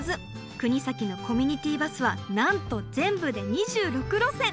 国東のコミュニティバスはなんと全部で２６路線！